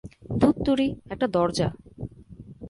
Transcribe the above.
ধুত্তুরি, একটা দরজা।